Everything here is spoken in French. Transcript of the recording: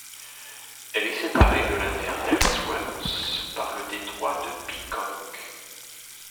Elle est séparée de la Terre d'Ellsworth par le détroit du Peacock.